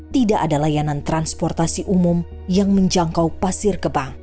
tidak ada layanan transportasi umum yang menjangkau pasir kebang